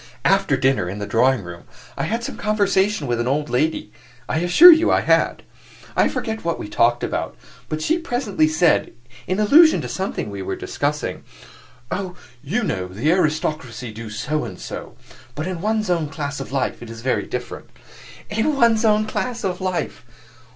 After dinner, in the drawing room, I had some conversation with an old lady; I assure you I had. I forget what we talked about, but she presently said, in allusion to something we were discussing, 'Oh, you know, the aristocracy do so and so; but in one's own class of life it is very different.' In one's own class of life!